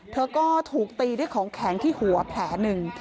เธอก็ถูกตีด้วยของแข็งที่หัวแผลหนึ่ง